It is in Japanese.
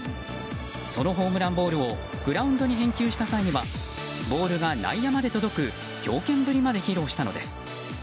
そのホームランボールをグラウンドに返球した際にはボールが内野まで届く強肩ぶりまで披露したのです。